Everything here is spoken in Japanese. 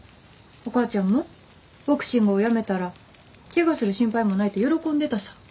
お母ちゃんもボクシングをやめたらケガする心配もないって喜んでたさぁ。